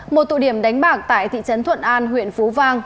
một tụ điểm đánh bạc tại thị trấn thuận an huyện phú vang